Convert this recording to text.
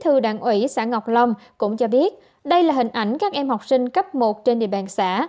thư đảng ủy xã ngọc long cũng cho biết đây là hình ảnh các em học sinh cấp một trên địa bàn xã